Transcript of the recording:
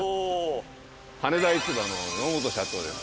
羽田市場の野本社長です。